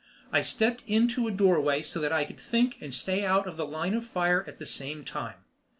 I stepped into a doorway so that I could think and stay out of the line of fire at the same time.